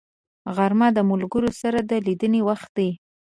غرمه د ملګرو سره د لیدنې وخت دی